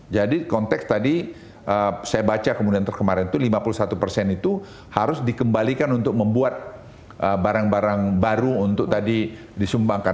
jadi konteks tadi saya baca kemudian terkemarin itu lima puluh satu itu harus dikembalikan untuk membuat barang barang baru untuk tadi disumbangkan